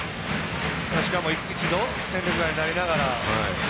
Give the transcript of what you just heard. しかも一度、戦力外になりながら。